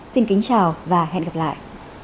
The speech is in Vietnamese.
xin kính chào và hẹn gặp lại